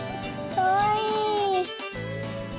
かわいい。